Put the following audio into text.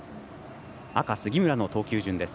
赤、杉村の投球順。